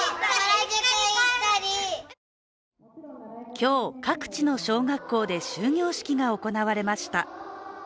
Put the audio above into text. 今日、各地の小学校で終業式が行われました。